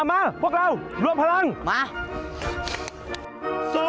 อะมาพวกเราร่วมพลังมาพวกเราร่วมพลัง